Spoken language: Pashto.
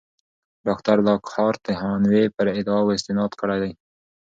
ډاکټر لاکهارټ د هانوې پر ادعاوو استناد کړی دی.